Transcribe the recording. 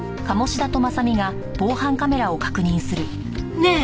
ねえ。